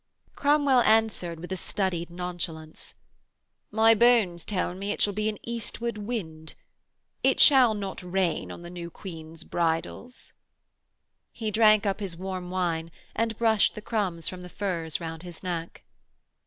Cromwell answered with a studied nonchalance: 'My bones tell me it shall be an eastward wind. It shall not rain on the new Queen's bridals.' He drank up his warm wine and brushed the crumbs from the furs round his neck.